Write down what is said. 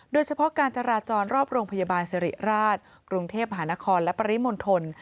โดยเฉพาะการจราจรรอบโรงพยาบาลสิริราชกรุงเทพหานครและปริมณฑล